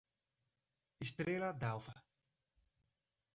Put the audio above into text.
Estrela Dalva